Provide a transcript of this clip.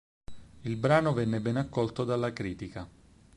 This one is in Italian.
Il brano venne ben accolto dalla critica.